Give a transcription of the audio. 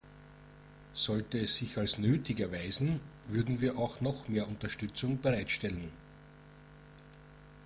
Sollte es sich als nötig erweisen, würden wir auch noch mehr Unterstützung bereitstellen.